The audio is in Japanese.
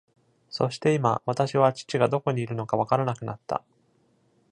そして今、私は父がどこにいるのか分からなくなった。